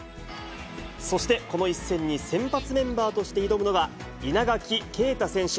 そして、この一戦に先発メンバーとして挑むのが、稲垣啓太選手。